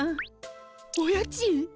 お家賃？